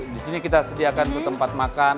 di sini kita sediakan untuk tempat makan